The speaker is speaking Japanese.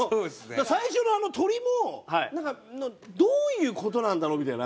最初のあの鳥もなんかどういう事なんだろう？みたいな。